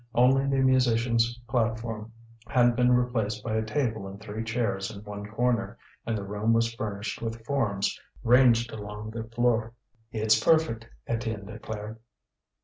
Only the musicians' platform had been replaced by a table and three chairs in one corner; and the room was furnished with forms ranged along the floor. "It's perfect," Étienne declared.